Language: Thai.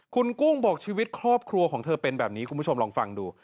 คุณกุ้งบอกชีวิตครอบครัวของเธอเป็นแบบนี้คุณผู้ชมลองฟังดู